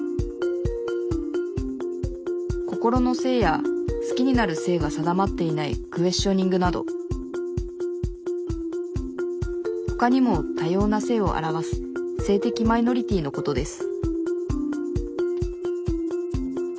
心の性や好きになる性が定まっていないクエスチョニングなどほかにも多様な性を表す性的マイノリティーのことです